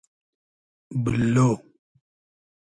بوللۉ